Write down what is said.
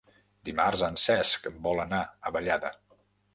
Dimarts en Cesc vol anar a Vallada.